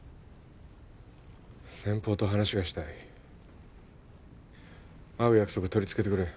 先方と話がしたい会う約束取り付けてくれ